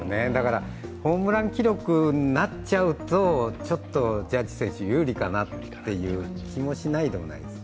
ホームラン記録になっちゃうとちょっとジャッジ選手有利かなという気もしないでもないです。